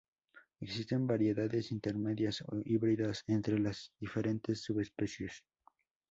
Existen variedades intermedias o híbridas entre las diferentes subespecies.